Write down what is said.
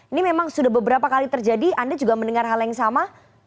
ini memang sudah beberapa kali terjadi anda juga mendengar hal yang sama